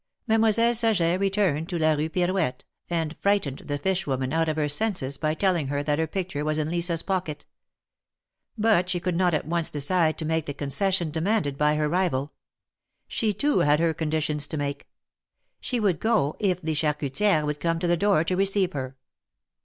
'^ Mademoiselle Saget returned to la Kue Pirouette, and frightened the fish woman out of her senses by telling her that her picture was in Lisa^s pocket. But she could not at once decide to make the concession demanded by her rival. She, too, had her conditions to make. She would go, if the Charcuti^re would come to the door to receive her.